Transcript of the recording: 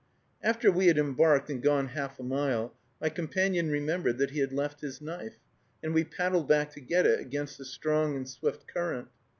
After we had embarked and gone half a mile, my companion remembered that he had left his knife, and we paddled back to get it, against the strong and swift current.